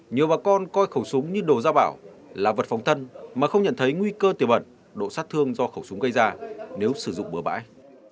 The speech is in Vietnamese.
nhiều bà con coi khẩu súng như đồ giao bảo là vật phòng thân mà không nhận thấy nguy cơ tiêu bẩn độ sát thương do khẩu súng gây ra nếu sử dụng bữa bãi